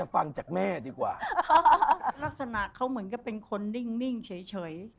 ลักษฐนาเค้าเหมือนเป็นคนนิ่งเฉย